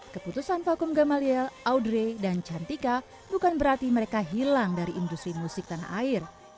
keputusan vakum gamaliel audrey dan cantika bukan berarti mereka hilang dari industri musik tanah air